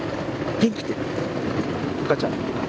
元気って赤ちゃん。